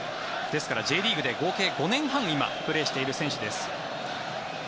ですから、Ｊリーグで合計５年半プレーしている選手です。